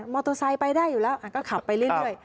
มอเตอร์ไซด์ไปได้อยู่แล้วก็ขับไปริ้นด้วย